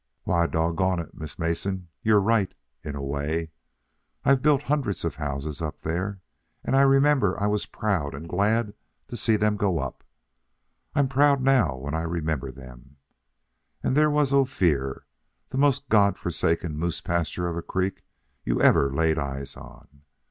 "Why, dog gone it, Miss Mason, you're right in a way. I've built hundreds of houses up there, and I remember I was proud and glad to see them go up. I'm proud now, when I remember them. And there was Ophir the most God forsaken moose pasture of a creek you ever laid eyes on.